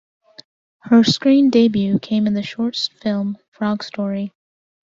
Her screen debut came in the short film "Frog Story".